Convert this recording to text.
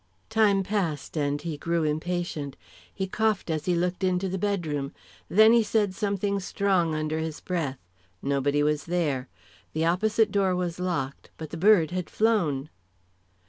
Time passed and he grew impatient. He coughed as he looked into the bedroom. Then he said something strong under his breath. Nobody was there. The opposite door was locked, but the bird had flown.